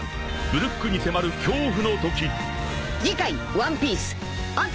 ［ブルックに迫る恐怖の時］